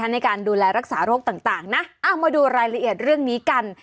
ในการดูแลรักษาโรคต่างนะเอามาดูรายละเอียดเรื่องนี้กัน